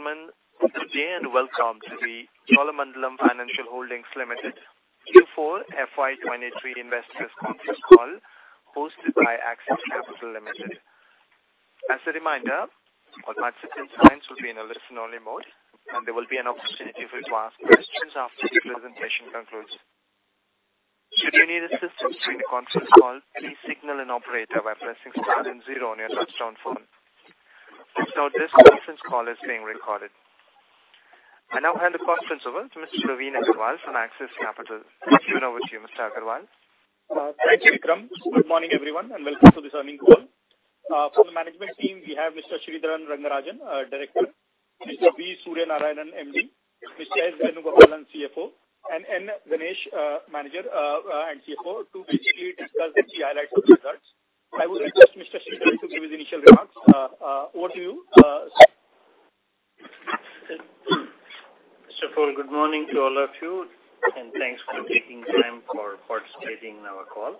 Ladies and gentlemen, good day and welcome to the Cholamandalam Financial Holdings Limited Q4 FY 2023 Investors' conference call hosted by Axis Capital Limited. As a reminder, all participants will be in a listen-only mode, and there will be an opportunity for you to ask questions after the presentation concludes. Should you need assistance during the conference call, please signal an operator by pressing Star and 0 on your touchtone phone. Also, this conference call is being recorded. I now hand the conference over to Mr. Praveen Agarwal from Axis Capital. Over to you, Mr. Agarwal. Thank you, Vikram. Good morning, everyone, welcome to this earnings call. From the management team, we have Mr. Sridharan Rangarajan, our Director, Mr. V. Suryanarayanan, MD, Mr. S. Venugopalan, CFO, and N. Ganesh, Manager and CFO to basically discuss the key highlights of the results. I will request Mr. Sridhar to give his initial remarks. Over to you, Sri. Mr. Paul, good morning to all of you, and thanks for taking time for participating in our call.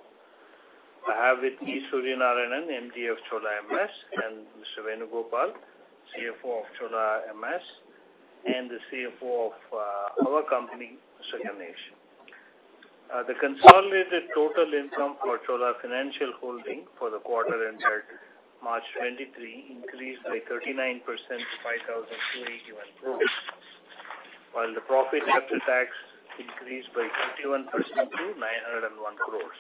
I have with me Suryanarayanan, MD of Chola MS, and Mr. Venugopal, CFO of Chola MS, and the CFO of our company, Mr. Ganesh. The consolidated total income for Cholamandalam Financial Holdings for the quarter ended March 2023 increased by 39% to 5,281 crore, while the profit after tax increased by 31% to 901 crore.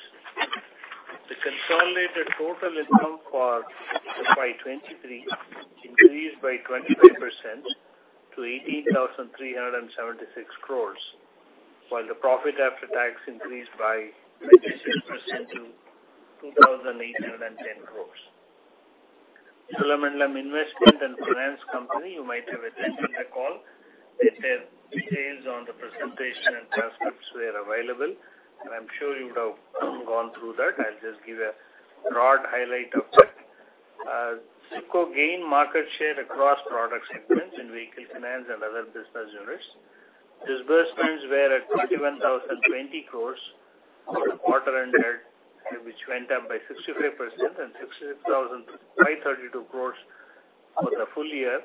The consolidated total income for FY 2023 increased by 25% to 18,376 crore, while the profit after tax increased by 26% to 2,810 crore. Cholamandalam Investment and Finance Company, you might have attended the call, that their details on the presentation and transcripts were available, and I'm sure you would have gone through that. I'll just give a broad highlight of that. CIFCO gained market share across product segments in vehicle finance and other business units. Disbursement were at 21,020 crore for the quarter ended, which went up by 65% and 66,532 crore for the full year,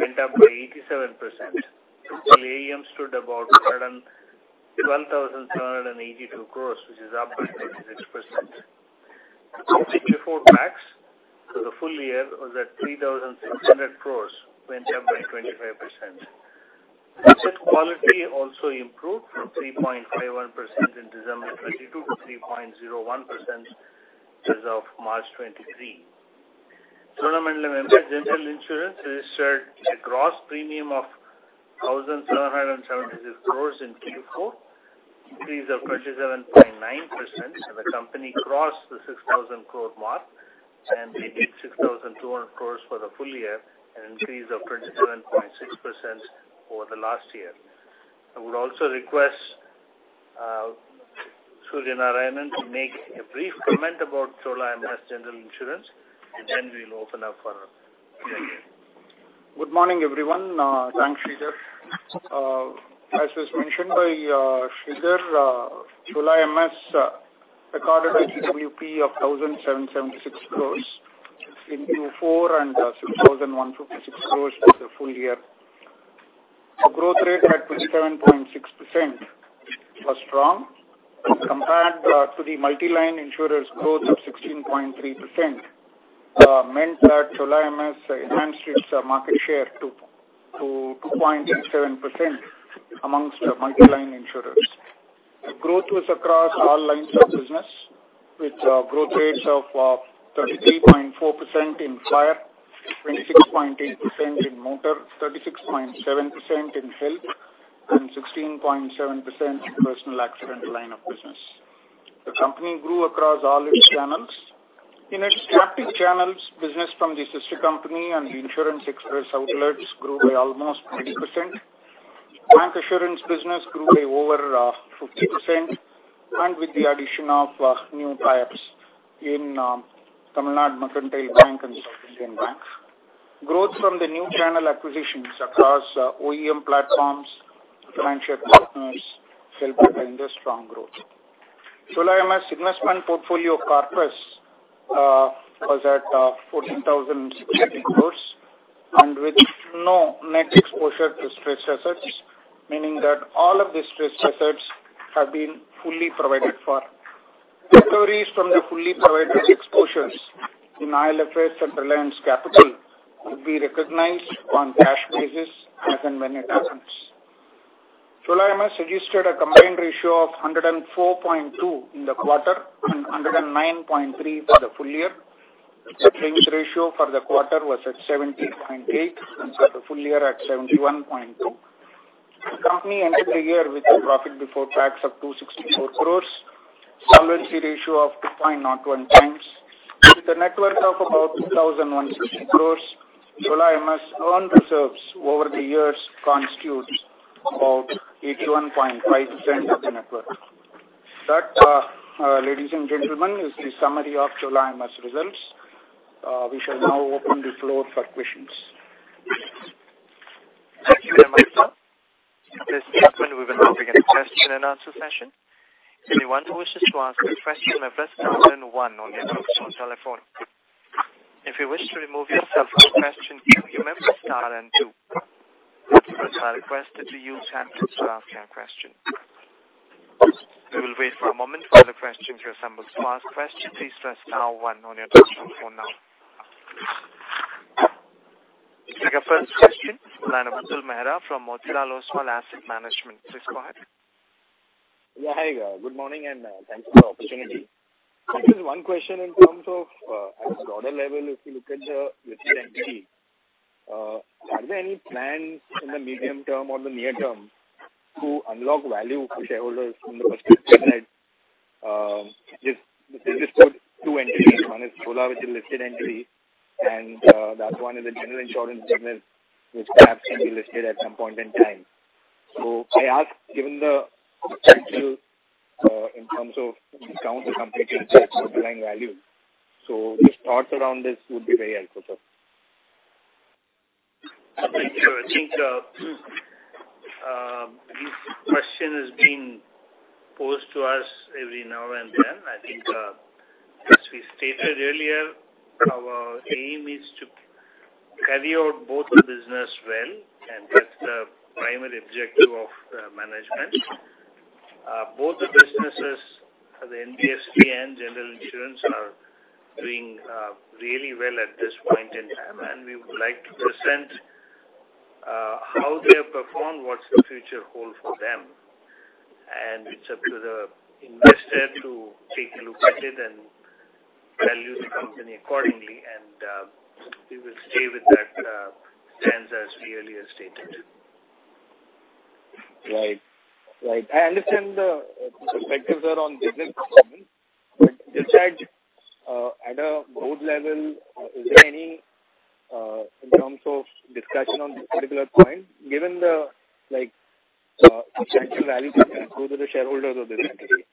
went up by 87%, while AUM stood about 112,782 crore, which is up by 26%. Profit before tax for the full year was at 3,600 crore, went up by 25%. Asset quality also improved from 3.51% in December 2022 to 3.01% as of March 2023. Cholamandalam MS General Insurance registered a gross premium of 1,776 crore in Q4, increase of 27.9%, and the company crossed the 6,000 crore mark, and they did 6,200 crore for the full year, an increase of 27.6% over the last year. I would also request Suryanarayanan to make a brief comment about Chola MS General Insurance. We'll open up for Q&A. Good morning, everyone. Thanks, Sridhar. As was mentioned by Sridhar, Chola MS recorded a GWP of 1,776 crore in Q4 and 6,156 crore for the full year. A growth rate at 27.6% was strong compared to the multi-line insurers growth of 16.3%, meant that Chola MS enhanced its market share to 2.67% amongst the multi-line insurers. The growth was across all lines of business, with growth rates of 33.4% in fire, 26.8% in motor, 36.7% in health, and 16.7% in personal accident line of business. The company grew across all its channels. In its captive channels, business from the sister company and the Insurance Express outlets grew by almost 20%. Bancassurance business grew by over 50%, with the addition of new tie-ups in Tamilnad Mercantile Bank and South Indian Bank. Growth from the new channel acquisitions across OEM platforms, financial partners helped behind the strong growth. Chola MS investment portfolio corpus was at 14,060 crore with no net exposure to stressed assets, meaning that all of the stressed assets have been fully provided for. Recoveries from the fully provided exposures in IL&FS and Reliance Capital will be recognized on cash basis as and when it happens. Chola MS registered a combined ratio of 104.2 in the quarter and 109.3 for the full year. The claims ratio for the quarter was at 70.8 and for the full year at 71.2. The company ended the year with a profit before tax of 264 crore, solvency ratio of 2.01 times. With a net worth of about 2,160 crore, Chola MS earned reserves over the years constitute about 81.5% of the net worth. That, ladies and gentlemen, is the summary of Chola MS results. We shall now open the floor for questions. Thank you very much, sir. We will now begin the question and answer session. If you wish to ask a question, you may press Star then one on your touchtone telephone. If you wish to remove yourself from question queue, you may press Star then two. Press Star requested to use hand to ask your question. We will wait for a moment for the questions. If you assemble to ask question, please press Star one on your touchtone phone now. Take our first question from Atul Mehra from Motilal Oswal Asset Management. Please go ahead. Yeah. Hi. Good morning, and thanks for the opportunity. Just one question in terms of at a broader level, if you look at the listed entity, are there any plans in the medium term or the near term to unlock value for shareholders from the perspective that this is good to entry? One is Chola, which is listed entity, and that one is a general insurance business which perhaps can be listed at some point in time. I ask given the potential in terms of discount the company could check underlying value. Just thoughts around this would be very helpful, sir. Thank you. I think, this question is being posed to us every now and then. I think, as we stated earlier, our aim is to carry out both the business well. That's the primary objective of management. Both the businesses, the NBFC and general insurance are doing really well at this point in time. We would like to present how they have performed, what's the future hold for them. It's up to the investor to take a look at it and value the company accordingly. We will stay with that stance as clearly as stated. Right. Right. I understand the perspectives are on business performance. Just that, at a board level, is there any, in terms of discussion on this particular point, given the, like, potential value to go to the shareholders of this entity,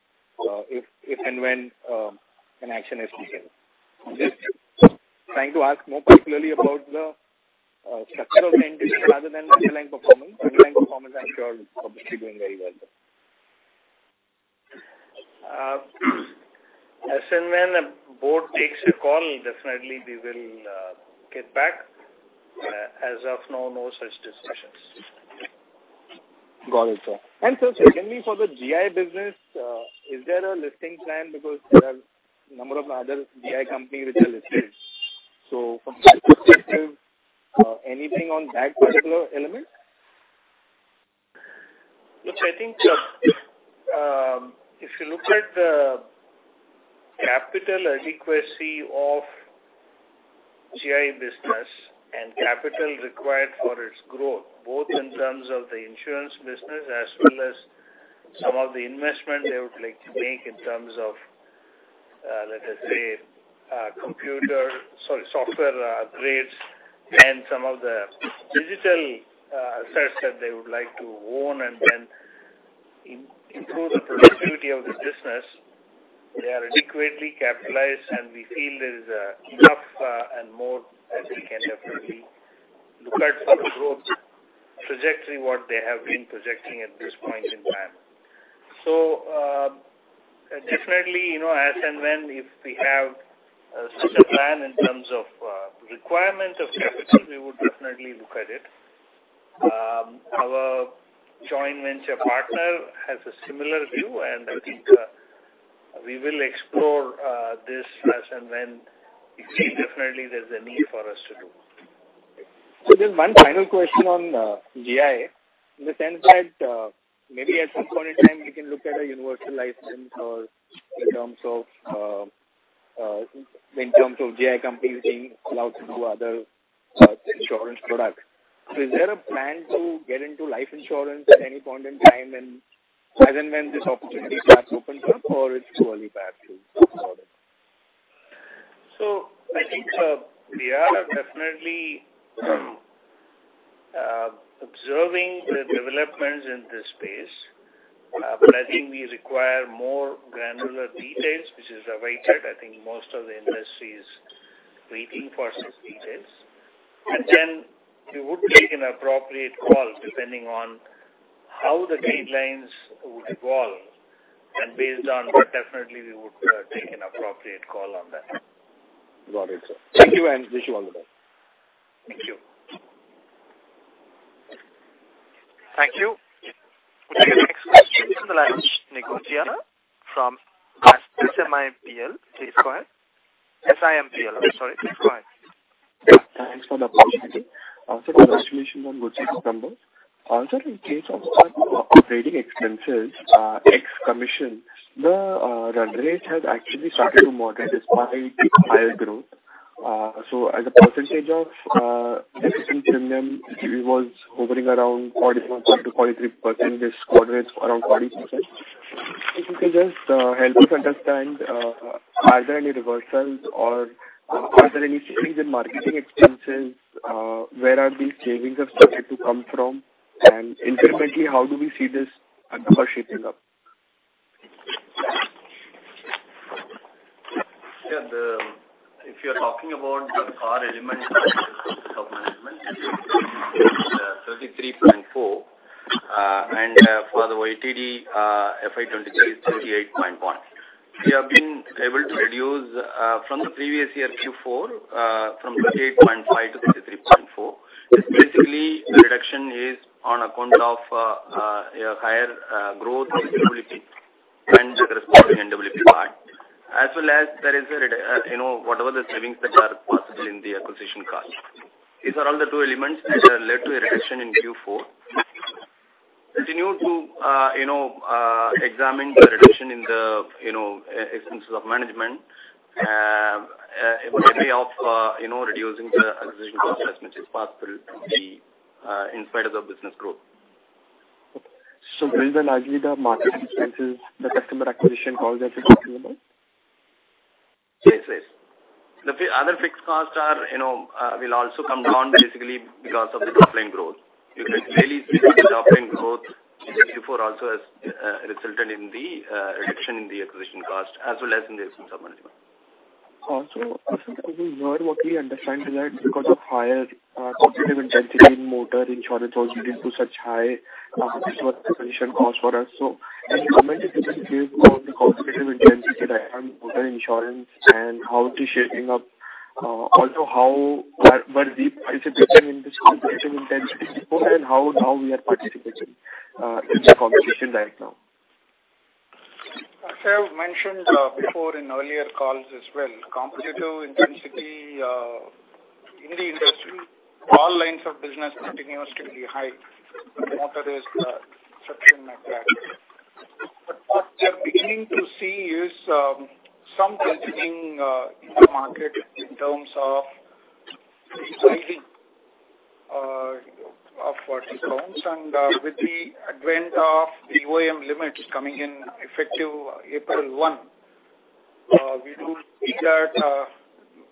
if and when, an action is taken? Just trying to ask more particularly about the, structural changes rather than underlying performance. Underlying performance I'm sure is obviously doing very well, sir. As and when a board takes a call, definitely we will, get back. As of now, no such discussions. Got it, sir. Sir, secondly, for the GI business, is there a listing plan because there are number of other GI company which are listed? From that perspective, anything on that particular element? Look, I think, if you look at the capital adequacy of GI business and capital required for its growth, both in terms of the insurance business as well as some of the investment they would like to make in terms of, let us say, software, grades and some of the digital sets that they would like to own and then improve the productivity of this business. They are adequately capitalized, and we feel there is enough and more that we can definitely look at for the growth trajectory, what they have been projecting at this point in time. Definitely, you know, as and when if we have a certain plan in terms of requirements of equity, we would definitely look at it. Our joint venture partner has a similar view, and I think, we will explore, this as and when we feel definitely there's a need for us to do. Just one final question on GI. In the sense that, maybe at some point in time you can look at a universal license or in terms of, in terms of GI companies being allowed to do other insurance products. Is there a plan to get into life insurance at any point in time and as and when this opportunity starts open? I think, we are definitely observing the developments in this space. I think we require more granular details which is awaited. I think most of the industry is waiting for such details. Then we would take an appropriate call depending on how the guidelines would evolve and based on what definitely we would take an appropriate call on that. Got it, sir. Thank you and wish you all the best. Thank you. Thank you. Okay. The next question is from the line of Devansh Nigotia from SiMPL. Please go ahead. SiMPL, I'm sorry. Please go ahead. Thanks for the opportunity. Congratulations on good set of numbers. In case of certain operating expenses, ex commission, the run rate has actually started to moderate despite higher growth. So as a percentage of existing premium, it was hovering around 41.23%. This quarter is around 40%. If you could just help us understand, are there any reversals or are there any changes in marketing expenses? Where are these savings are subject to come from? Incrementally, how do we see this number shaping up? Yeah. If you're talking about the COR element of EOM, 33.4%. For the YTD, FY 2023 is 38.1%. We have been able to reduce from the previous year Q4, from 38.5% to 33.4%. Basically, the reduction is on account of a higher growth in GWP and corresponding NWP part. There is, you know, whatever the savings that are possible in the acquisition cost. These are all the two elements which have led to a reduction in Q4. Continue to, you know, examine the reduction in the, you know, expenses of management, in way of, you know, reducing the acquisition cost as much as possible in the, in spite of the business growth. Okay. These are largely the marketing expenses, the customer acquisition costs that you're talking about? Yes, yes. The other fixed costs are, you know, will also come down basically because of the top line growth. You can clearly see that the top line growth in Q4 also has resulted in the reduction in the acquisition cost as well as in the expenses of management. So sir, we heard, what we understand is that because of higher competitive intensity in motor insurance also leading to such high acquisition costs for us. Can you comment a little bit about the competitive intensity that are on motor insurance and how it is shaping up? Also how were we participating in this competitive intensity before and how we are participating in the competition right now? As I have mentioned, before in earlier calls as well, competitive intensity in the industry, all lines of business continues to be high. Motor is such thing like that. What we are beginning to see is some budgeting in the market in terms of deciding, you know, of what discounts. With the advent of the OEM limits coming in effective April 1, we do see that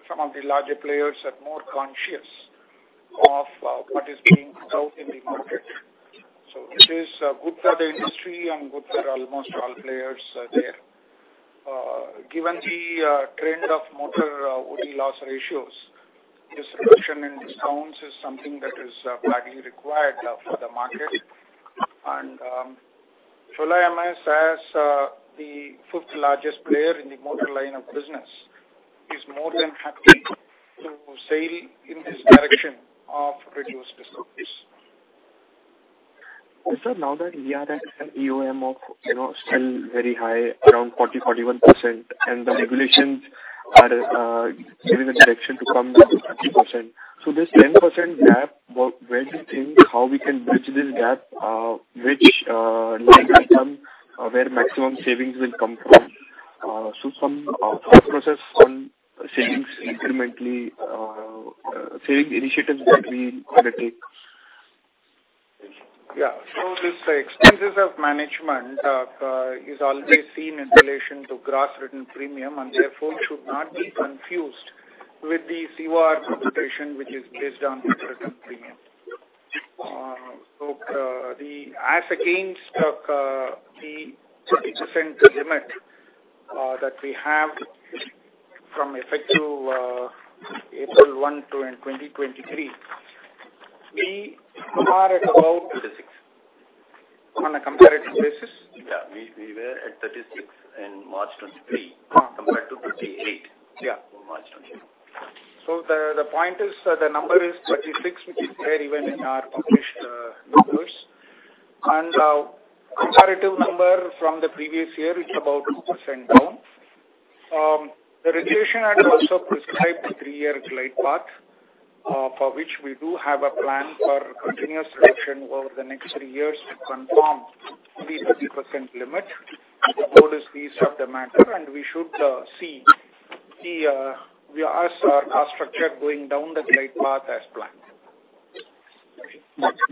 some of the larger players are more conscious of what is being sold in the market. It is good for the industry and good for almost all players there. Given the trend of motor OD loss ratios, this reduction in discounts is something that is badly required for the market. Chola MS as the fifth-largest player in the motor line of business is more than happy to sail in this direction of reduced discounts. Okay. Now that we are at an EoM of, you know, still very high, around 40-41%, and the regulations are giving a direction to come down to 30%. This 10% gap, where do you think how we can bridge this gap, which line item, where maximum savings will come from? Some thought process on savings incrementally, saving initiatives that we gonna take. Yeah. This expenses of management is always seen in relation to gross written premium and therefore should not be confused with the COR computation which is based on written premium. As against the 30% limit that we have from effective April 1, 2 and 2023, we are at about- 36 On a comparative basis? Yeah. We were at 36 in March 2023 compared to 38- Yeah. -in March 2022. The point is the number is 36, which is there even in our published numbers. Comparative number from the previous year is about 2% down. The regulation had also prescribed a three-year glide path, for which we do have a plan for continuous reduction over the next three years to conform the 30% limit. The board is pleased with the matter, and we should see the as our structure going down the glide path as planned.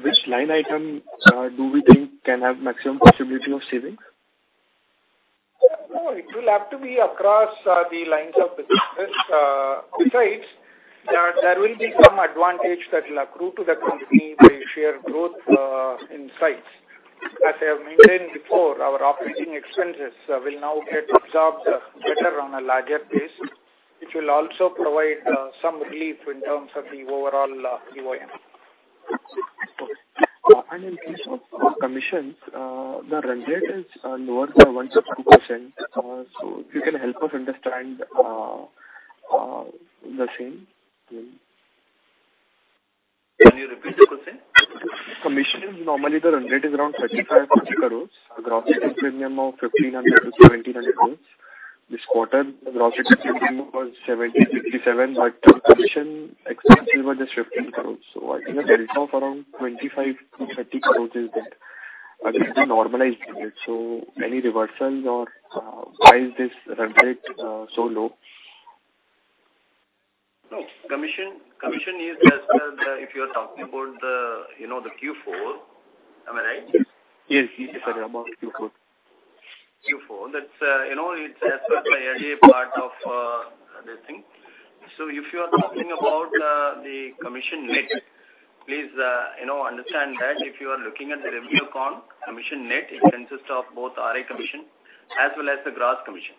Which line item, do we think can have maximum possibility of savings? No, it will have to be across the lines of business. Besides, there will be some advantage that will accrue to the company by sheer growth in size. As I have maintained before, our operating expenses will now get absorbed better on a larger base, which will also provide some relief in terms of the overall EoM. Okay. In case of commissions, the run rate is lower by 1% to 2%. If you can help us understand the same, please. Can you repeat the question? Commissions normally the run rate is around 35 crore, INR 40 crore. Gross written premium of 1,500 crore-1,700 crore. This quarter the gross written premium was 1,757 crore, commission expenses were just 15 crore. Like a delta of around 25 crore-30 crore is there. This is the normalized limit. Any reversals or, why is this run rate so low? No. Commission is as per if you are talking about the, you know, the Q4, am I right? Yes. I am talking about Q4. Q4. That's, you know, it's as per the IRDAI part of this thing. If you are talking about the commission net, please, you know, understand that if you are looking at the revenue commission net, it consists of both RI commission as well as the gross commission.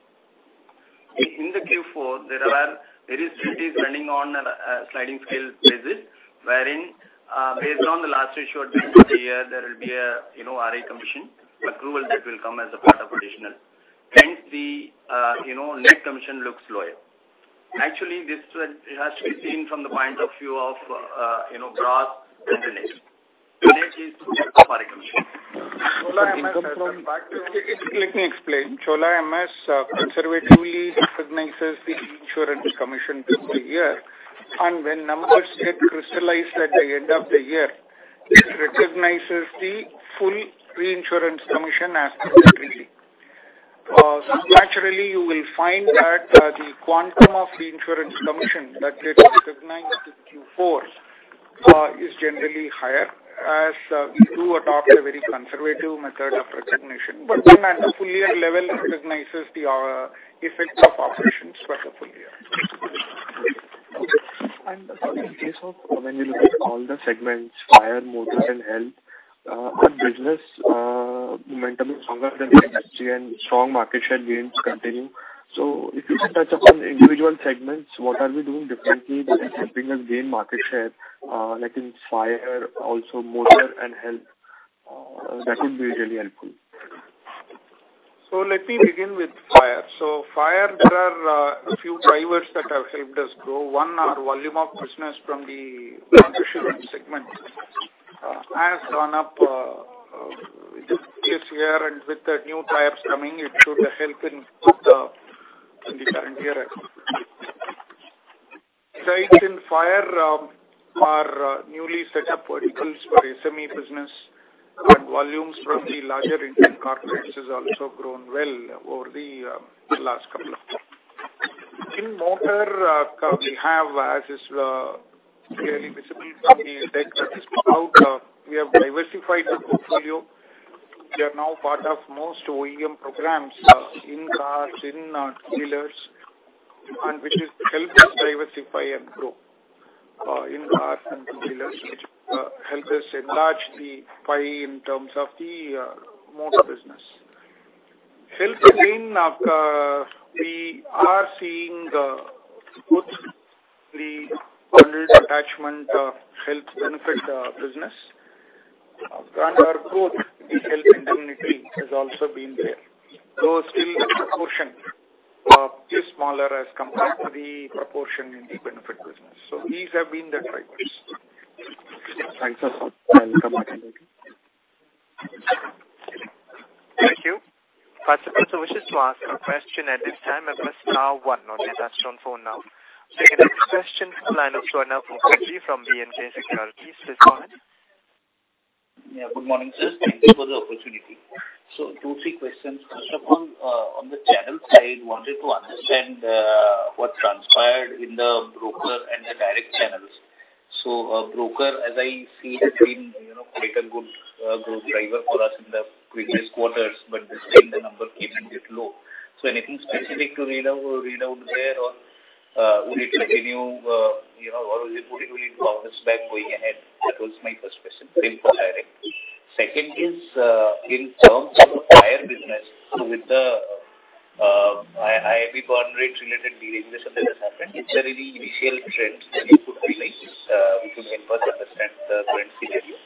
In the Q4, there are various treaties running on a sliding scale basis, wherein, based on the last ratio at the end of the year, there will be a, you know, RI commission approval that will come as a part of additional. The, you know, net commission looks lower. Actually, this one has to be seen from the point of view of, you know, gross and the net. The net is RI commission. Let me explain. Chola MS, conservatively recognizes the insurance commission through the year. When numbers get crystallized at the end of the year, it recognizes the full reinsurance commission as per the treaty. Naturally you will find that, the quantum of the insurance commission that gets recognized in Q4, is generally higher as we do adopt a very conservative method of recognition. At the full year level recognizes the effects of operations for the full year. In case of when we look at all the segments, fire, motor and health, the business momentum is stronger than the industry and strong market share gains continue. If you can touch upon individual segments, what are we doing differently that is helping us gain market share, like in fire, also motor and health, that would be really helpful. Let me begin with fire. Fire, there are a few drivers that have helped us grow. One, our volume of business from the non-insurance segment has gone up this year. With the new tribes coming it should help in the current year. Sites in fire are newly set up verticals for SME business and volumes from the larger Indian corporates has also grown well over the last couple of years. In motor, we have, as is clearly visible from the deck that is out, we have diversified the portfolio. We are now part of most OEM programs in cars, in two-wheelers, and which is helping us diversify and grow in cars and two-wheelers, which help us enlarge the pie in terms of the motor business. Health has been, we are seeing, both the bundled attachment, health benefit, business and our growth in health indemnity has also been there. Though still the proportion is smaller as compared to the proportion in the benefit business. These have been the drivers. Thanks a lot. I'll come back. Thank you. Participants who wishes to ask a question at this time must now one on his touchtone phone now. Second question from the line of Swarnabh Mukherjee from B&K Securities. Please go ahead. Yeah, good morning, sir. Thank you for the opportunity. Two, three questions. First of all, on the channel side, wanted to understand what transpired in the broker and the direct channels. A broker, as I see, has been, you know, quite a good growth driver for us in the previous quarters. This time the number seems a bit low. Anything specific to read out there or would it continue, you know, or would it reverse back going ahead? That was my first question. Same for direct. Second is, in terms of fire business. With the IIB bond rates related deregulation that has happened, is there any initial trends that you could highlight which would help us understand the trend seriously?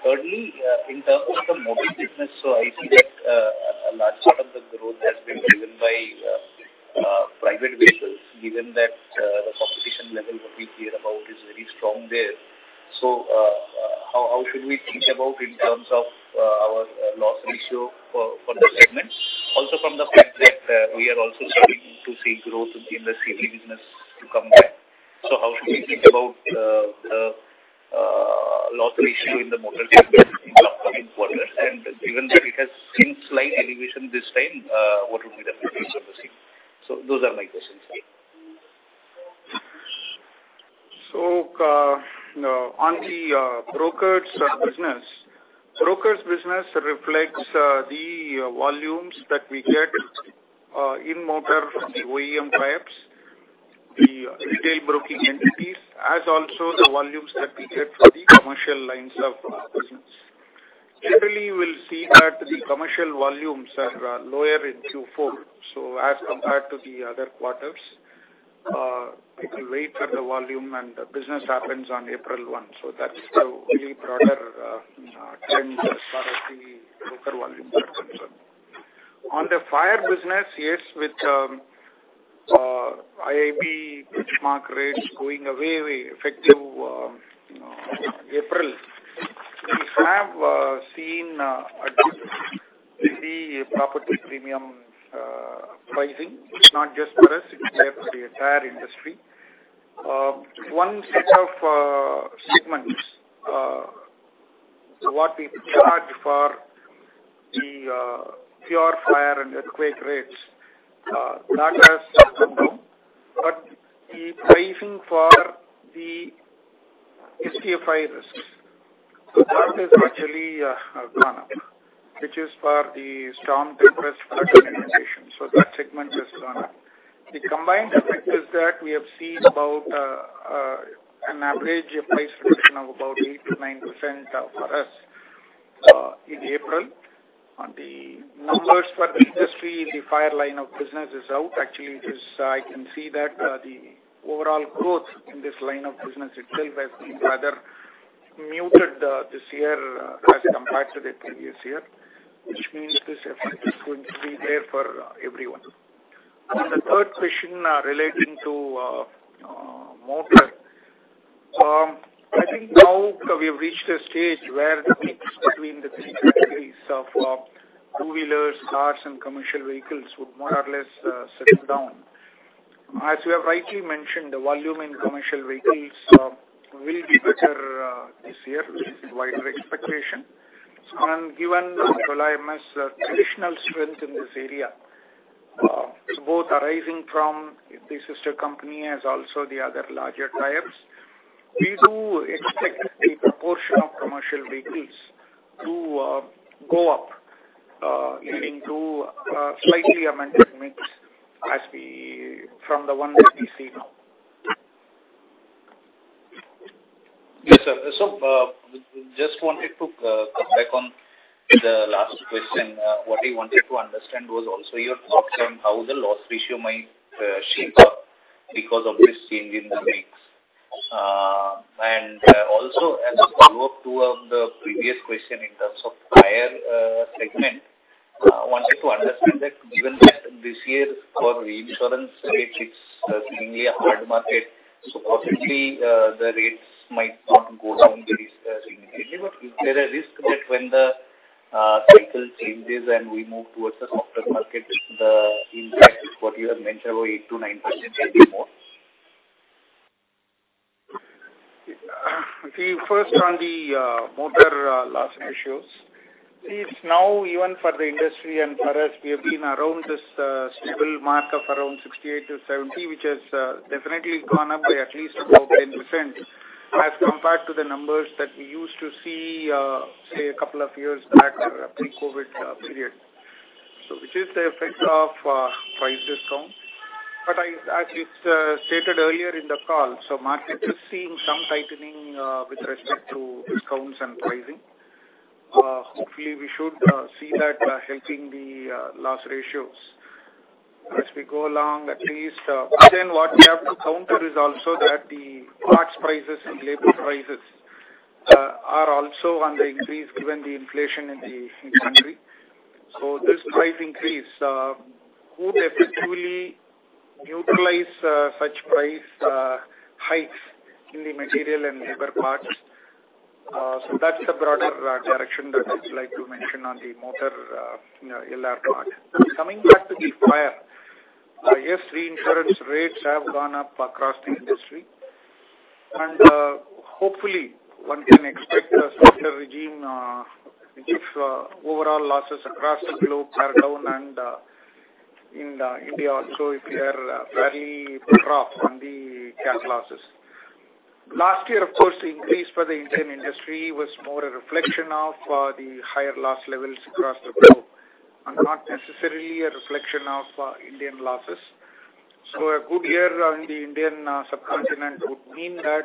Thirdly, in terms of the motor business, I see that a large part of the growth has been driven by private vehicles. Given that the competition level what we hear about is very strong there. How should we think about in terms of our loss ratio for the segment? Also from the fact that we are also starting to see growth in the CV business to come back. How should we think about the loss ratio in the motor segment in the upcoming quarters? Given that it has seen slight elevation this time, what would be the expectation we're seeing? Those are my questions. On the brokers business. Brokers business reflects the volumes that we get in motor from the OEM types, the retail broking entities, as also the volumes that we get from the commercial lines of business. Generally, you will see that the commercial volumes are lower in Q4. As compared to the other quarters, it will wait for the volume and the business happens on April 1. That's the really broader trend as far as the broker volume is concerned. On the fire business, yes, with IIB benchmark rates going away, effective April, we have seen a dip in the property premium pricing, not just for us, it's there for the entire industry. One set of segments, what we charge for the pure fire and earthquake rates, that has come down. The pricing for STFI risks. That is actually gone up, which is for the storm, tempest, flood, and inundation. That segment is gone up. The combined effect is that we have seen about an average price reduction of about 8% to 9% for us in April. On the numbers for the industry, the fire line of business is out. Actually, I can see that the overall growth in this line of business itself has been rather muted this year as compared to the previous year, which means this effect is going to be there for everyone. On the third question, relating to motor. I think now we have reached a stage where the mix between the three categories of two-wheelers, cars and commercial vehicles would more or less settle down. As you have rightly mentioned, the volume in commercial vehicles will be better this year. This is a wider expectation. Given Chola MS' traditional strength in this area, both arising from the sister company as also the other larger tires, we do expect the proportion of commercial vehicles to go up, leading to slightly amended mix from the one that we see now. Yes, sir. Just wanted to come back on the last question. What I wanted to understand was also your thoughts on how the loss ratio might shape up because of this change in the mix. Also as a follow-up to the previous question in terms of higher segment, wanted to understand that given that this year for reinsurance rates, it's seemingly a hard market, possibly the rates might not go down this immediately. Is there a risk that when the cycle changes and we move towards the softer market, the impact is what you have mentioned, about 8% to 9% will be more? First on the motor loss ratios. It's now even for the industry and for us, we have been around this stable mark of around 68% to 70%, which has definitely gone up by at least about 10% as compared to the numbers that we used to see, say a couple of years back, pre-COVID period. Which is the effect of price discount. As it's stated earlier in the call, market is seeing some tightening with respect to discounts and pricing. Hopefully we should see that helping the loss ratios. As we go along, at least, but then what we have to counter is also that the parts prices and labor prices are also on the increase given the inflation in the country This price increase would effectively neutralize such price hikes in the material and labor parts. That's the broader direction that I'd like to mention on the motor LR part. Coming back to the fire, yes, reinsurance rates have gone up across the industry. Hopefully one can expect a softer regime if overall losses across the globe are down and in India also if we are fairly rough on the cat losses. Last year, of course, the increase for the Indian industry was more a reflection of the higher loss levels across the globe and not necessarily a reflection of Indian losses. A good year on the Indian subcontinent would mean that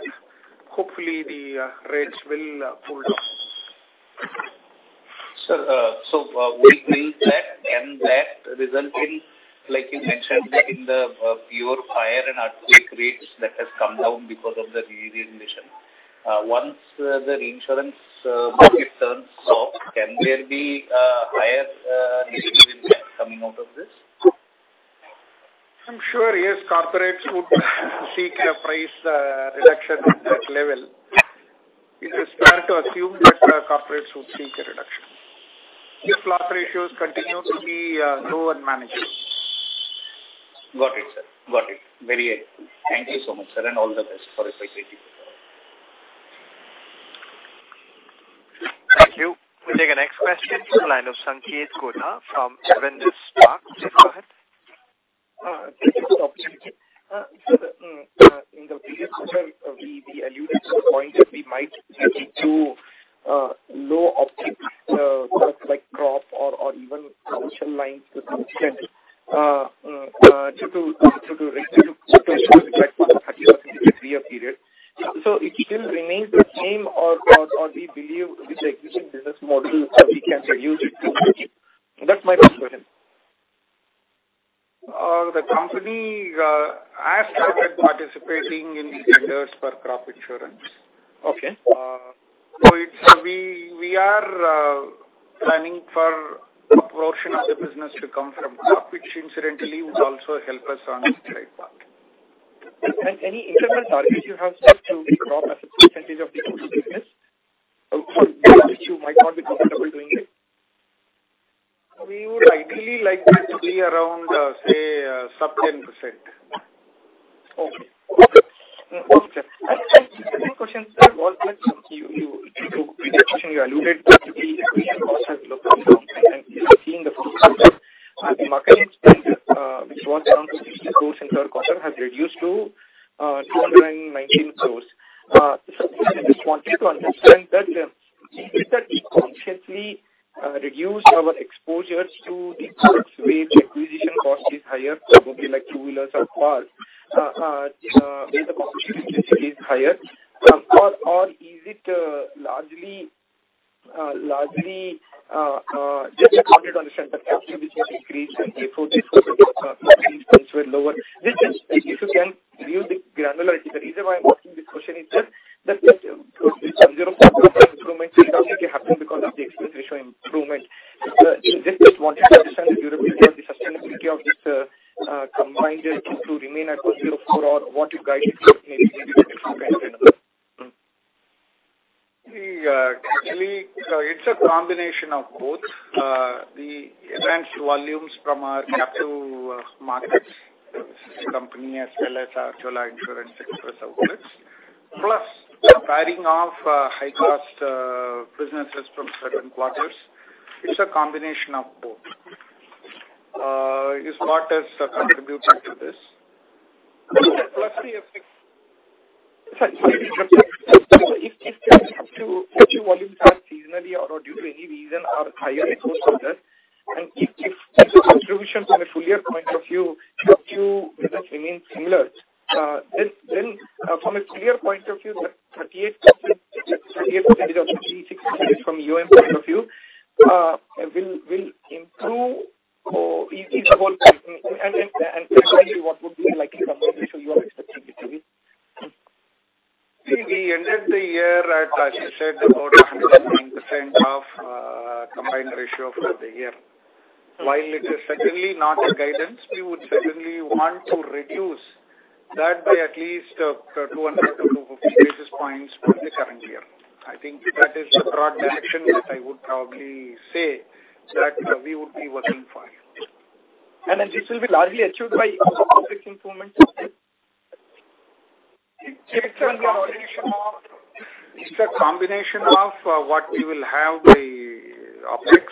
hopefully the rates will pull down. Sir, will mean that, can that result in, like you mentioned, in the pure fire and earthquake rates that has come down because of the reinsurance? Once the reinsurance market turns soft, can there be higher reinsurance coming out of this? I'm sure, yes, corporates would seek a price reduction at that level. It is fair to assume that corporates would seek a reduction if loss ratios continue to be low and manageable. Got it, sir. Got it. Very helpful. Thank you so much, sir, and all the best for FY 2024. Thank you. We'll take our next question from the line of Sanketh Godha from Avendus Spark. Please go ahead. Thank you for the opportunity. Sir, in the previous quarter, we alluded to the point that we might be too low optics products like crop or even commercial lines to some extent, due to recent situations like 133-year period. So it still remains the same or we believe with the existing business model that we can reduce it. That's my first question. The company has started participating in tenders for crop insurance. Okay. We are planning for a portion of the business to come from crop, which incidentally would also help us on the trade part. Any internal targets you have set to the crop as a percentage of the total business or which you might not be comfortable doing it? We would ideally like that to be around, say, sub 10%. Okay. Okay. Okay. Second question, sir, was like you in your previous question you alluded that you increased losses locally. The market spend, which was down to INR 260 crore in third quarter has reduced to INR 219 crore. I just wanted to understand that, is that we consciously reduced our exposures to the products where the acquisition cost is higher, probably like two-wheelers or cars, where the competition intensity is higher? Is it largely just a target on the center capital which has increased and therefore the sourcing points were lower? This is if you can give the granularity. The reason why I'm asking this question is just that the sub 0.05 improvement predominantly happened because of the expense ratio improvement. Just wanted to understand the durability or the sustainability of this combined ratio to remain at 104 or what you guided for maybe the next financial year. We, actually, it's a combination of both, the enhanced volumes from our captive markets, company as well as our Chola Insurance Express outlets, plus paring off high cost businesses from certain quarters. It's a combination of both is what has contributed to this. Plus the effect. Sorry. If the captive volumes are seasonally or due to any reason are higher in fourth quarter, and if the contribution from a full year point of view to you remains similar, then from a full year point of view, the 38%, 36% is from AUM point of view, will improve or is both and essentially what would be like a combined ratio you are expecting it to be? We ended the year at, as you said, about 109% of combined ratio for the year. While it is certainly not a guidance, we would certainly want to reduce that by at least 200 to 250 basis points for the current year. I think that is the broad direction that I would probably say that we would be working for. This will be largely achieved by opex improvements? It's a combination of what we will have by opex.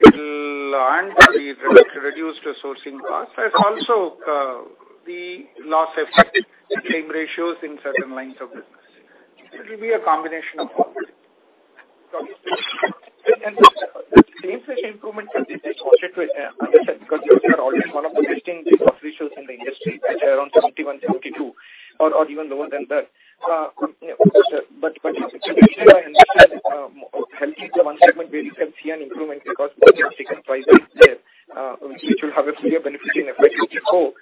The reduced sourcing costs and also the loss effect claim ratios in certain lines of business. It will be a combination of all. Got it. The claim ratio improvement, I just wanted to understand because you are already one of the best in claim ratios in the industry at around 71, 72 or even lower than that. But contribution I understand, health is the one segment where you can see an improvement because there is no price risk there, which will have a clear benefit in FY 2024.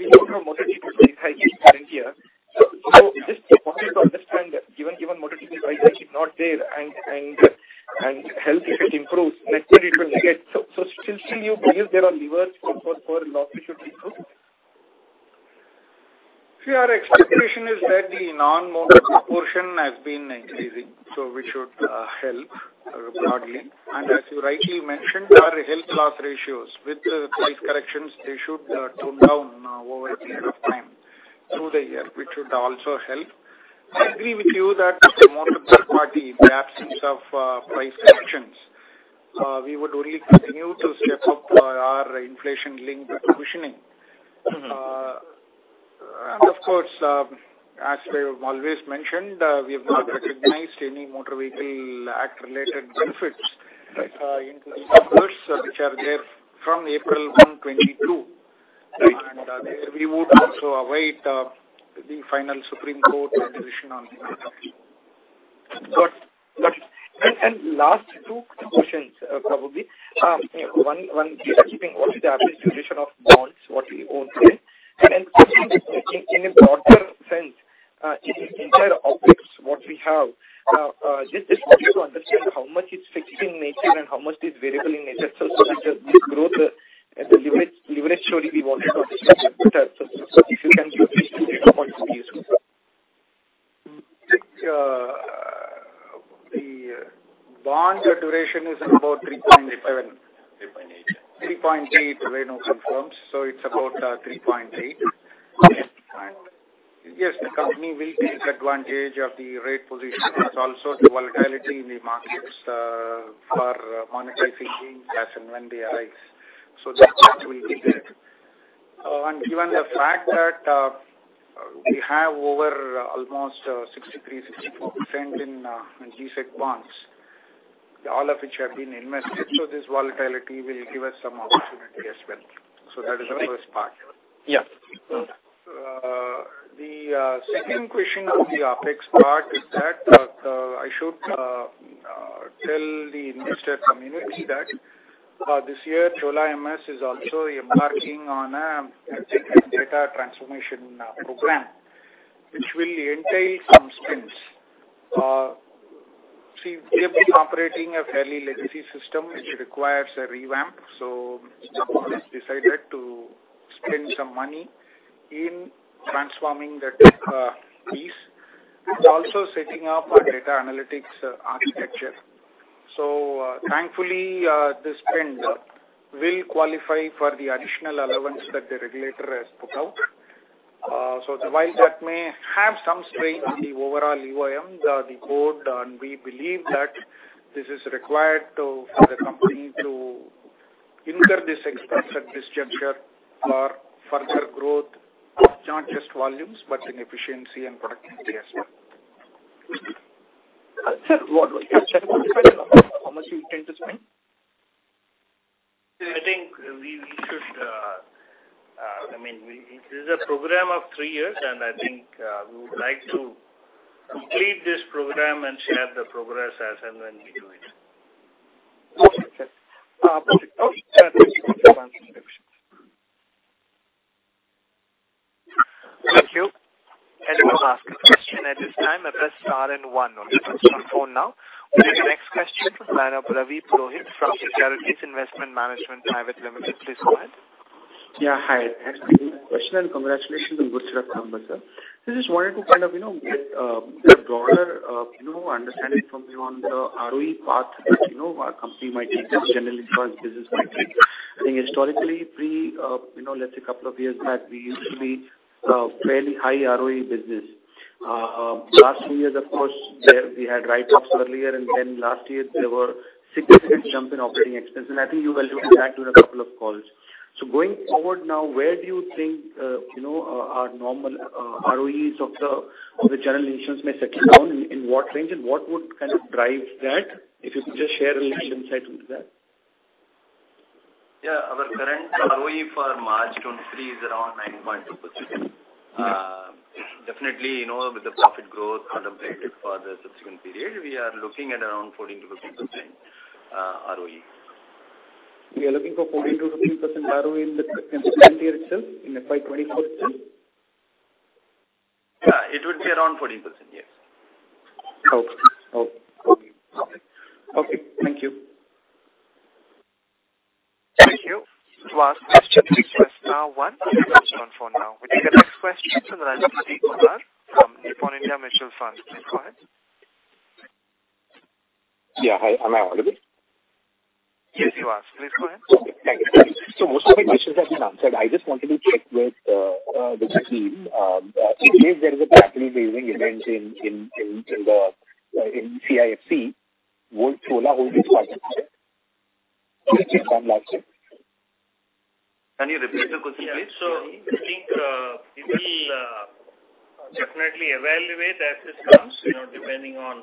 We know your motor people price hike is current year. Just wanted to understand, given motor people price hike is not there and health if it improves, net-net it will get. Still you believe there are levers for loss ratio to improve? Our expectation is that the non-motor portion has been increasing, which should help broadly. As you rightly mentioned, our health loss ratios with price corrections, they should tone down over a period of time through the year, which should also help. I agree with you that motor third party, in the absence of price actions, we would only continue to step up our inflation linked positioning. Of course, as we have always mentioned, we have not recognized any Motor Vehicles Act related benefits. Right. in the quarters which are there from April 1, 2022. Right. We would also await the final Supreme Court decision on the matter. Got it. Got it. Last two questions, probably. One is keeping what is the average duration of bonds, what we own today. In a broader sense, in entire opex what we have, just wanted to understand how much is fixed in nature and how much is variable in nature. That the growth and the leverage story we wanted to understand. If you can give these two data points, it'll be useful. The bonds duration is about 3.7. 3.8. 3.8, Venu confirms. It's about 3.8. Okay. Yes, the company will take advantage of the rate position and also the volatility in the markets, for monetizing gains as and when they arise. That part will be there. Given the fact that, we have over almost 63%, 64% in G-Sec bonds, all of which have been invested. This volatility will give us some opportunity as well. That is the first part. Yeah. The second question on the opex part is that I should tell the investor community that this year Chola MS is also embarking on a tech and data transformation program, which will entail some spends. See, we have been operating a fairly legacy system which requires a revamp. The board has decided to spend some money in transforming that piece. It's also setting up a data analytics architecture. Thankfully, the spend will qualify for the additional allowance that the regulator has put out. While that may have some strain on the overall EoM, the board, and we believe that this is required for the company to incur this expense at this juncture for further growth, not just volumes, but in efficiency and productivity as well. Sir, one, can you tell me how much you intend to spend? I think we should, I mean, this is a program of three years, and I think, we would like to complete this program and share the progress as and when we do it. Okay, sir. Okay. Thank you. Thank you. To ask a question at this time, press Star one on your touchtone phone now. We'll take the next question from the line of Ravi Purohit from Securities Investment Management Private Limited. Please go ahead. Yeah, hi. Thanks for taking my question, and congratulations on good results, sir. I just wanted to kind of, you know, get a broader, you know, understanding from you on the ROE path that, you know, our company might take as general insurance business metric. I think historically pre, you know, let's say couple of years back, we used to be a fairly high ROE business. Last few years, of course, there we had write-offs earlier and then last year there were significant jump in operating expense. I think you've alluded to that in a couple of calls. Going forward now, where do you think, you know, our normal ROEs of the general insurance may settle down, in what range and what would kind of drive that? If you could just share a little insight into that. Yeah. Our current ROE for March 2023 is around 9.2%. Definitely, you know, with the profit growth contemplated for the subsequent period, we are looking at around 14% to 15% ROE. We are looking for 14% to 15% ROE in the current year itself, in FY 2024 itself? Yeah, it would be around 14%. Yes. Okay. Okay. Okay. Okay. Thank you. Thank you. To ask question, press Star one on your touchtone phone now. We'll take the next question from the line of Prateek Poddar from Nippon India Mutual Fund. Please go ahead. Yeah. Hi. Am I audible? Yes, you are. Please go ahead. Okay, thank you. Most of my questions have been answered. I just wanted to check with the team. In case there is a capital raising event in the CIFC, would Chola hold its market share? Can you repeat the question, please? Yeah. I think, we will definitely evaluate as this comes, you know, depending on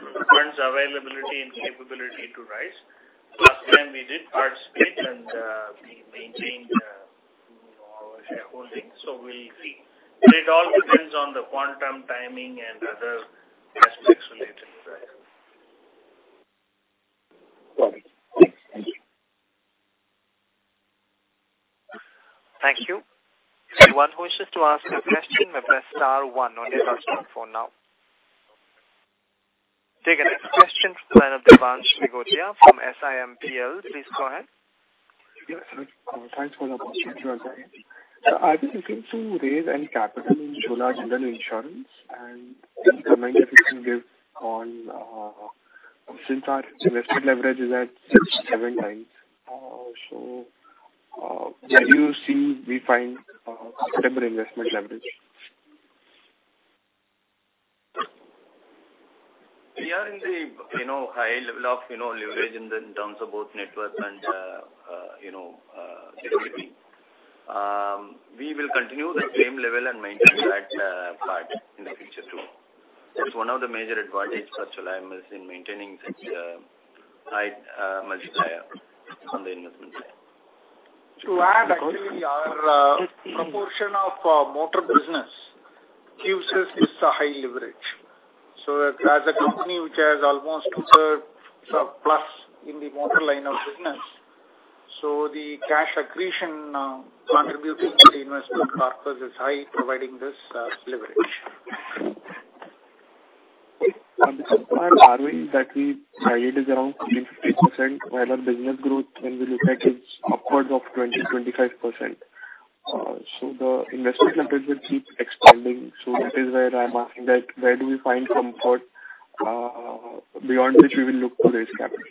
funds availability and capability to rise. Last time we did participate and we maintained, you know, our shareholding. We'll see. It all depends on the quantum timing and other aspects related to that. Got it. Thanks. Thank you. Thank you. Anyone who wishes to ask a question, may press Star one on your touchtone phone now. We'll take the next question from the line of Devansh Nigotia from SiMPL. Please go ahead. Yes. Thanks for the opportunity. Are you looking to raise any capital in Chola General Insurance and any comment that you can give on since our investment leverage is at six to seven times? Where do you see we find comfortable investment leverage? We are in the, you know, high level of, you know, leverage in terms of both network and, you know, GWP. We will continue the same level and maintain that part in the future too. That's one of the major advantage for Chola MS is in maintaining such high multiplier on the investment side. To add actually our proportion of motor business gives us this high leverage. As a company which has almost 2/3 sub plus in the motor line of business, the cash accretion contributing to the investment corpus is high, providing this leverage. This is why ROE that we guide is around 20% to 50%, while our business growth when we look at is upwards of 20% to 25%. So the investment leverage will keep expanding. That is where I'm asking that where do we find comfort, beyond which we will look to raise capital.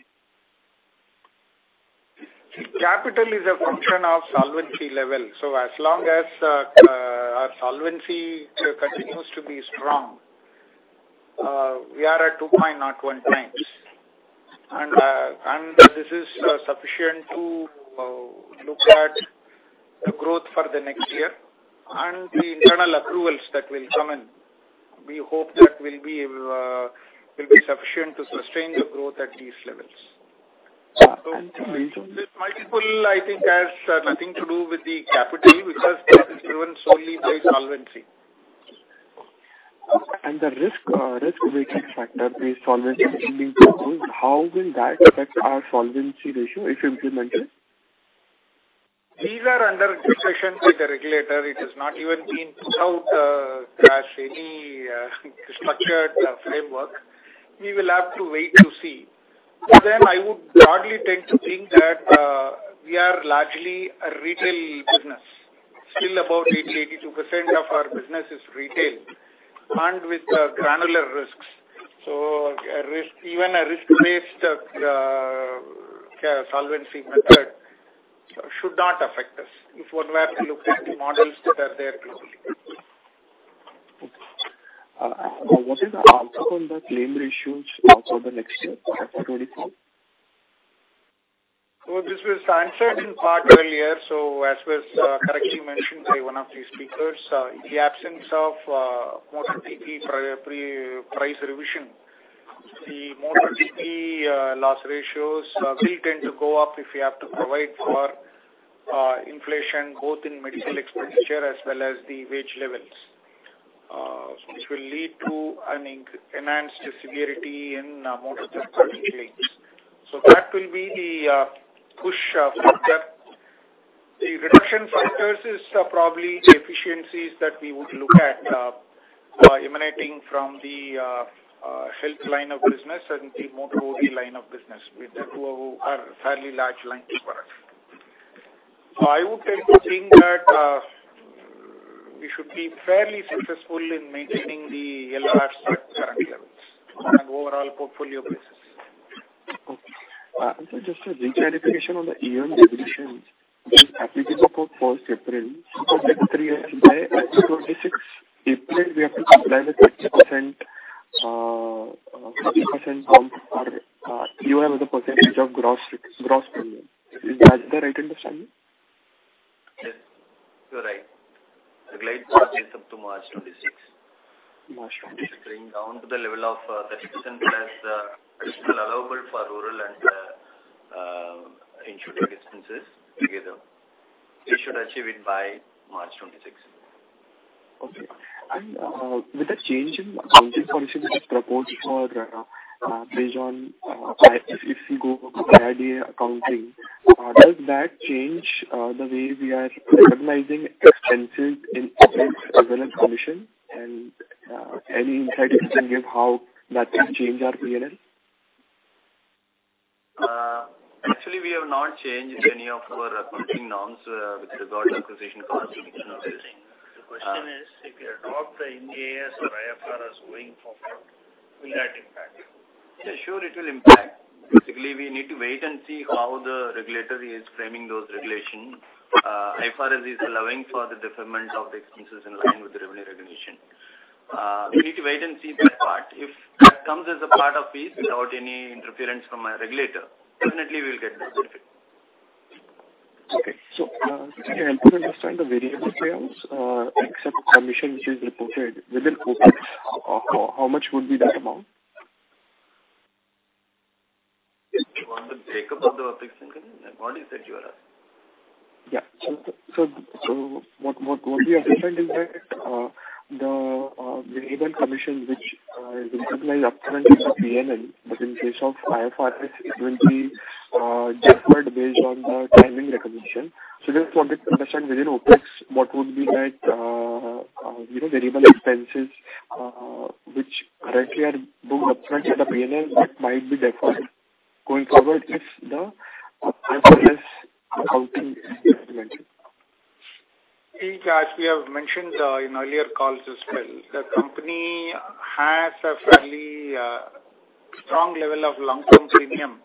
Capital is a function of solvency level. As long as our solvency continues to be strong, we are at 2.01x. This is sufficient to look at the growth for the next year and the internal approvals that will come in. We hope that will be sufficient to sustain the growth at these levels. Yeah. This multiple I think has nothing to do with the capital because this is driven solely by solvency. The risk weighting factor based solvency is being proposed. How will that affect our solvency ratio if implemented? These are under discussion with the regulator. It has not even been put out as any structured framework. We will have to wait to see. I would broadly tend to think that we are largely a retail business. Still about 80% to 82% of our business is retail and with granular risks. Even a risk-based solvency method should not affect us if one were to look at the models that are there globally. Okay. What is the outlook on the claim ratios also the next year for 2024? This was answered in part earlier. As was correctly mentioned by one of the speakers, in the absence of motor TP price revision, the motor TP loss ratios will tend to go up if we have to provide for inflation both in medical expenditure as well as the wage levels. Which will lead to an enhanced severity in motor third party claims. That will be the push factor. The reduction factors is probably the efficiencies that we would look at emanating from the health line of business and the motor OD line of business. These are two of our fairly large lines for us. I would tend to think that we should be fairly successful in maintaining the LR at current levels on an overall portfolio basis. Okay. Just a re-clarification on the EoM regulation which is applicable for April 1st. That three years by April 26th, we have to comply with 30%, 30% of our EoM as a percentage of gross premium. Is that the right understanding? Yes, you're right. The glide path is up to March 2026. March 26. Bringing down to the level of, 30% as, allowable for rural and, insured expenses together. We should achieve it by March 2026. Okay. With the change in accounting policy which is proposed for, based on, if we go with IRDA accounting, does that change the way we are recognizing expenses in opex as well as commission and any insight you can give how that will change our P&L? Actually, we have not changed any of our accounting norms with regard to acquisition costs. The question is, if you adopt the Ind AS or IFRS going forward, will that impact you? Yeah, sure, it will impact. Basically, we need to wait and see how the regulator is framing those regulations. IFRS is allowing for the deferment of the expenses in line with the revenue recognition. We need to wait and see that part. If that comes as a part of fees without any interference from our regulator, definitely we will get that benefit. Okay. Can you help me understand the variable payouts, except commission which is reported within opex? How much would be that amount? You want the breakup of the opex? What is that you are asking? Yeah. What we are saying is that the variable commission which is recognized up front into P&L but in case of IFRS it will be deferred based on the timing recognition. Just wanted to understand within opex, what would be that, you know, variable expenses which currently are booked upfront in the P&L that might be deferred going forward if the IFRS accounting is implemented. In fact, we have mentioned in earlier calls as well. The company has a fairly strong level of long-term premium,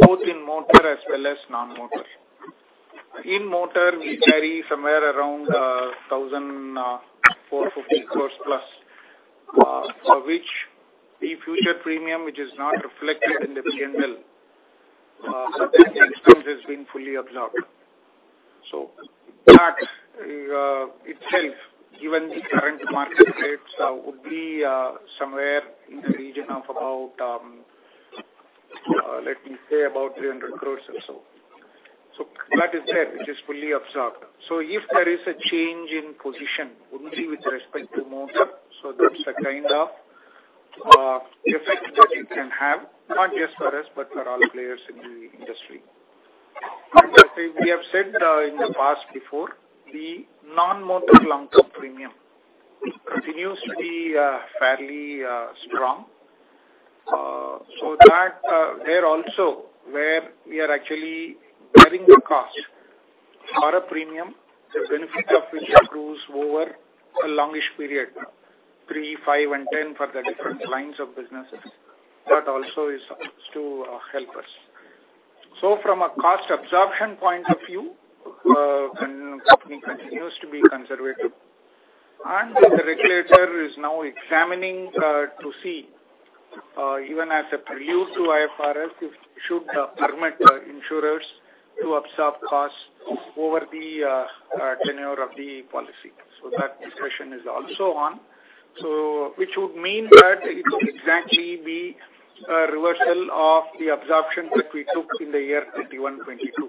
both in motor as well as non-motor. In motor we carry somewhere around 1,450 crore plus, for which the future premium, which is not reflected in the P&L, the expense has been fully absorbed. That itself, given the current market rates, would be somewhere in the region of about, let me say about 300 crore or so. That is it. It is fully absorbed. If there is a change in position only with respect to motor, that's the kind of effect that it can have, not just for us, but for all players in the industry. As we have said in the past before, the non-motor long-term premium continues to be fairly strong. That there also where we are actually bearing the cost for a premium, the benefit of which accrues over a long-ish period, three, five and 10 for the different lines of businesses. That also is to help us. From a cost absorption point of view, company continues to be conservative. The regulator is now examining to see even as a preview to IFRS, it should permit insurers to absorb costs over the tenure of the policy. That discussion is also on. Which would mean that it won't exactly be a reversal of the absorption that we took in the year 2021, 2022.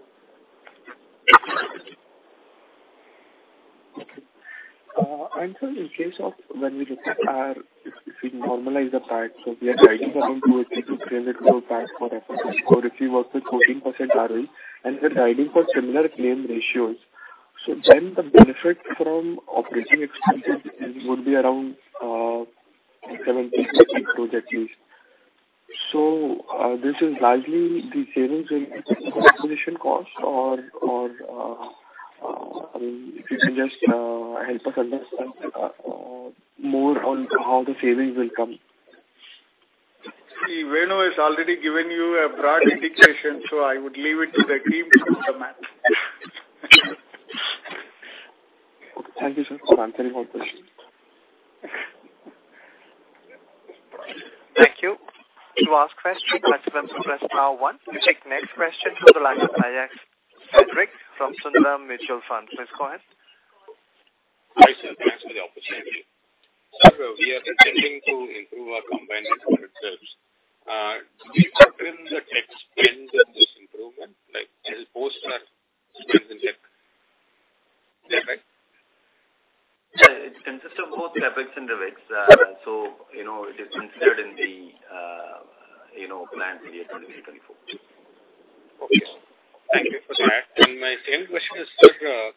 Okay. In case of when we look at our if we normalize the part, so we are guiding around INR 280 crore-INR 300 crore PAC for FY or if you work with 14% ROE, and we are guiding for similar claim ratios. The benefit from operating expenses would be around 70 crore to 80 crore at least. This is largely the savings in acquisition costs or. I mean, if you can just help us understand more on how the savings will come. See, Venu has already given you a broad indication, so I would leave it to the team to do the math. Thank you, sir. I'm turning my question. Thank you. To ask question, press one. Next question from the line of Ajox Frederick Sridhar from Sundaram Mutual Fund. Please go ahead. Hi, sir. Thanks for the opportunity. We are intending to improve our combined ratio. Do you have trends that explain this improvement, like it'll boost our trends in the... Is that right? It consists of both CapEx and RevEx. you know, it is considered in the, you know, plan for year 2023, 2024. Okay. Thank you for that. My second question is, sir,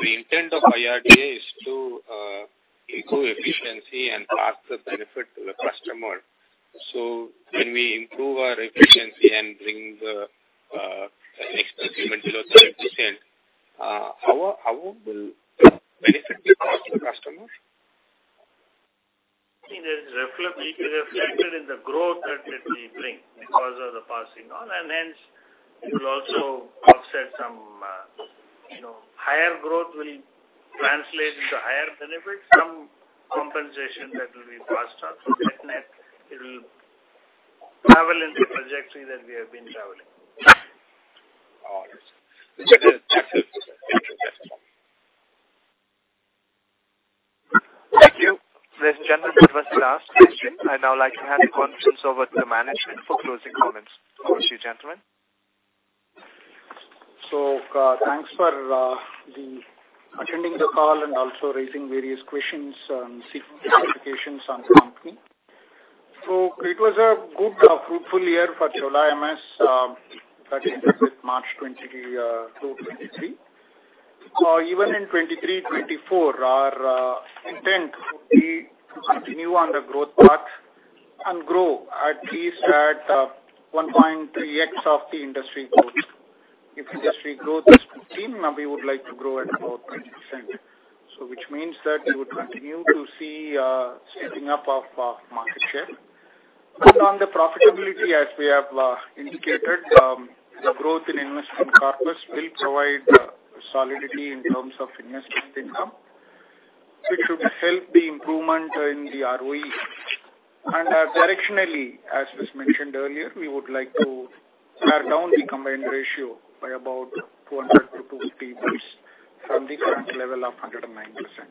the intent of IRDA is to improve efficiency and pass the benefit to the customer. When we improve our efficiency and bring the expense to below 30%, how will benefit the cost to customers? It is reflected in the growth that we bring because of the passing on. Hence, it will also offset some, you know, higher growth will translate into higher benefits. Some compensation that will be passed on. Net-net it will travel in the trajectory that we have been traveling. All right. Thank you. Thank you. With general diversity last question, I'd now like to hand the conference over to the management for closing comments. Over to you, gentlemen. Thanks for the attending the call and also raising various questions and seek clarifications on the company. It was a good, fruitful year for Chola MS that ended with March 2023. Even in 2023-2024, our intent would be to continue on the growth path and grow at least at 1.3x of the industry growth. If industry growth is 15%, we would like to grow at about 20%. Which means that you would continue to see stepping up of market share. On the profitability, as we have indicated, the growth in investment purpose will provide solidity in terms of investment income. It should help the improvement in the ROE. Directionally, as was mentioned earlier, we would like to pare down the combined ratio by about 200 to 250 basis from the current level of 109%.